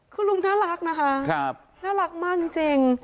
คุณลุงน่ารักนะคะน่ารักมากจริง